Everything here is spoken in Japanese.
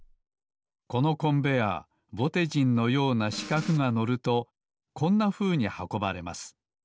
このコンベアーぼてじんのようなしかくが乗るとこんなふうにはこばれます。